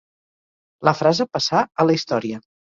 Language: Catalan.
La frase passà a la història.